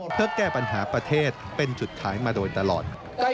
เพื่อแก้ปัญหาประเทศเป็นจุดขายมาโดยตลอด